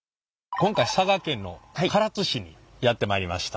今回佐賀県の唐津市にやって参りました。